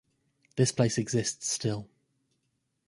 This place exists still.